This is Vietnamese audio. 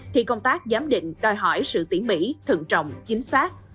thì công tác giám định đòi hỏi sự tỉ mỉ thận trọng chính xác